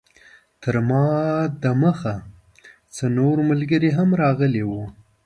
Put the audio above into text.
تر ما د مخه څو نور ملګري هم راغلي وو.